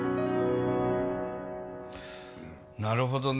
なるほどね。